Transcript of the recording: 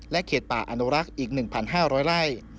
เขตป่าอนุรักษ์อีก๑๕๐๐ไร่